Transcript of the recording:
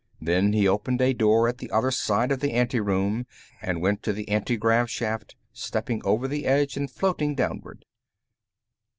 Then he opened a door at the other side of the anteroom and went to the antigrav shaft, stepping over the edge and floating downward.